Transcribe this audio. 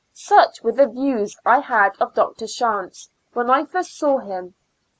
Sucb were tbe views I bad of Dr. Sbantz wben I first saw bim.